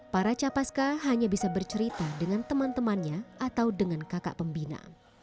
para capaska hanya bisa bercerita dengan teman temannya atau dengan kakak pembina